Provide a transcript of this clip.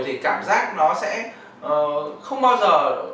thì cảm giác nó sẽ không bao giờ